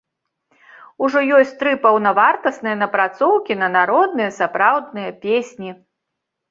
Ужо ёсць тры паўнавартасныя напрацоўкі на народныя сапраўдныя песні.